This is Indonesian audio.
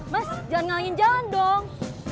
mas jangan ngangin jalan dong